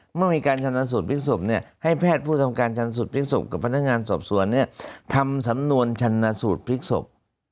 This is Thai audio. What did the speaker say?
เมื่อมีการชันสูตรพิกษบเนี่ยให้แพทย์ผู้ทำการชันสูตรพิกษบกับพันธการสอบสวนเนี่ยทำสำนวนชันสูตรพิกษบ